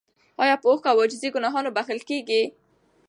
ایا په اوښکو او عاجزۍ ګناهونه بخښل کیږي؟